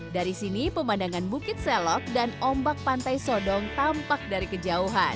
dari sini pemandangan bukit selok dan ombak pantai sodong tampak dari kejauhan